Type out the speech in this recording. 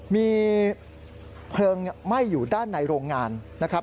มีเพลิงไหม้อยู่ด้านในโรงงานนะครับ